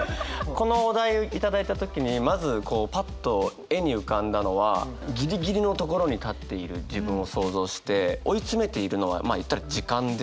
このお題を頂いた時にまずこうパッと絵に浮かんだのはギリギリのところに立っている自分を想像して追い詰めているのはまあ言ったら時間ですよね。